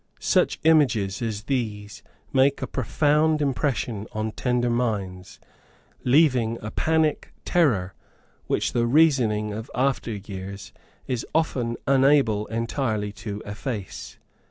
Such images as these make a profound impression on tender minds, leaving a panic terror which the reasoning of after years is often unable entirely to efface.